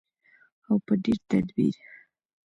او په ډیر تدبیر.